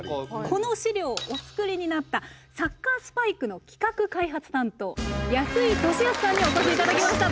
この資料お作りになったサッカースパイクの企画開発担当安井敏恭さんにお越し頂きました。